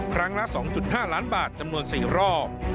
ครั้งละ๒๕ล้านบาทจำนวน๔รอบ